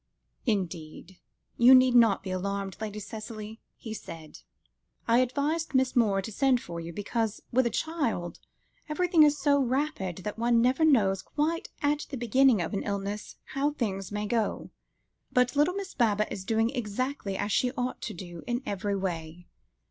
"Indeed, you need not be alarmed, Lady Cicely," he said. "I advised Miss Moore to send for you, because with a child, everything is so rapid that one never quite knows at the beginning of an illness how things may go. But little Miss Baba is doing exactly as she ought to do in every way.